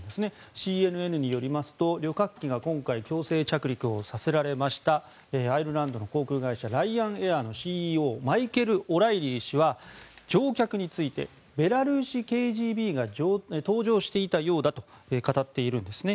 ＣＮＮによりますと旅客機が今回強制着陸をさせられましたアイルランドの航空会社ライアンエアのＣＥＯマイケル・オライリー氏は乗客についてベラルーシＫＧＢが搭乗していたようだと語っているんですね。